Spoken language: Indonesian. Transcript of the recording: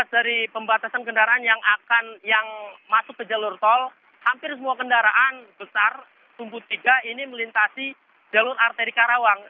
dari pembatasan kendaraan yang masuk ke jalur tol hampir semua kendaraan besar tumpu tiga ini melintasi jalur arteri karawang